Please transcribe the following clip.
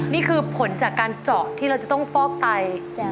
นี่คือผลจากการเจาะที่เราจะต้องฟอกไต